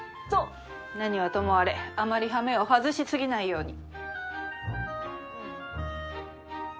なにはともあれあまりハメを外しすぎないように。